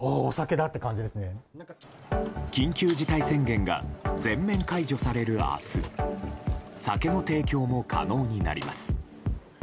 緊急事態宣言が全面解除される明日酒の提供も可能になります。